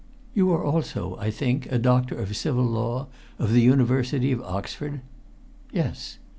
"You are also, I think, a Doctor of Civil Law of the University of Oxford?" "Yes."